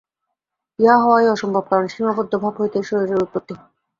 ইহা হওয়াই অসম্ভব, কারণ সীমাবদ্ধ ভাব হইতেই শরীরের উৎপত্তি।